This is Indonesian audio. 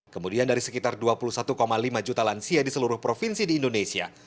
kemudian dari sekitar dua puluh satu lima juta lansia di seluruh provinsi di indonesia